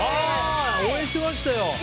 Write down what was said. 応援してましたよ。